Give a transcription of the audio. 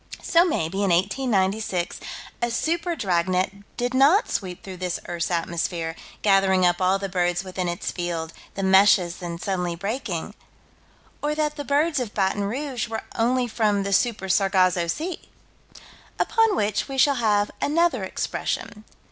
So maybe, in 1896, a super dragnet did not sweep through this earth's atmosphere, gathering up all the birds within its field, the meshes then suddenly breaking Or that the birds of Baton Rouge were only from the Super Sargasso Sea Upon which we shall have another expression.